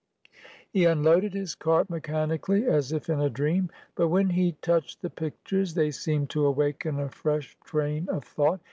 He unloaded his cart mechanically, as if in a dream; but when he touched the pictures, they seemed to awaken a fresh train of thought.